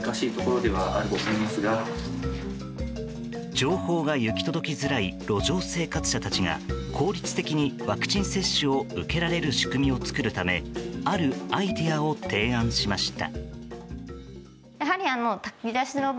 情報が行き届きづらい路上生活者たちが効率的にワクチン接種を受けられる仕組みを作るためあるアイデアを提案しました。